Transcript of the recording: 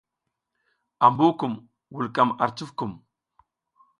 Ambu kum vulkam ar cufkum.